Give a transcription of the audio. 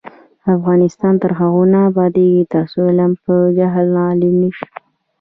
افغانستان تر هغو نه ابادیږي، ترڅو علم پر جهل غالب نشي.